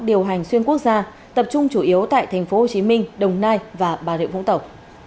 điều hành xuyên quốc gia tập trung chủ yếu tại tp hcm đồng nai và bà rịa vũng tàu